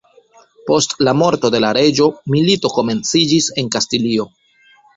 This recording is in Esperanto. Post la morto de la reĝo, milito komenciĝis en Kastilio.